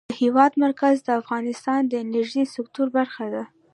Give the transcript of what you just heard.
د هېواد مرکز د افغانستان د انرژۍ سکتور برخه ده.